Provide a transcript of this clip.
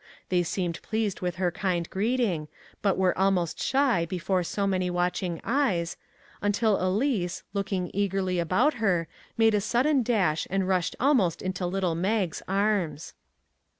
They seemed pleased with her kind greeting, but were almost shy before so many watching eyes, until Elise, looking eagerly about her, made a sudden dash and rushed almost into little Mag's arms.